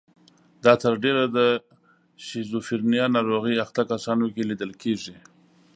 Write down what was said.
دا تر ډېره د شیزوفرنیا ناروغۍ اخته کسانو کې لیدل کیږي.